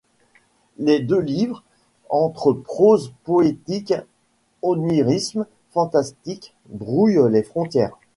Les deux livres, entre prose poétique, onirisme, fantastique, brouillent les frontières.